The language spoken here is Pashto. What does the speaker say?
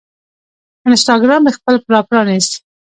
انسټاګرام مې خپل راپرانیست